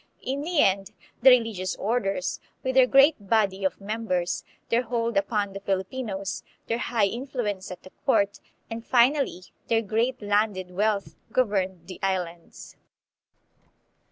In the end the religious orders, with their great body of members, their hold upon the Filipinos, their high influence at the court, and finally their great landed wealth, governed the Islands.